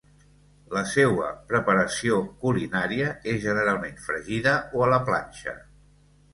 La seua preparació culinària és generalment fregida o a la planxa.